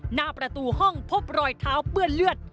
หน้าประตูห้องพบรอยเท้าเปื้อนเลือด